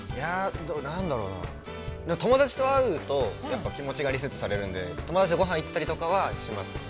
◆何だろうな、友達と会うとやっぱり気持ちがリセットされるんで、友達とごはんに行ったりとかはしますね。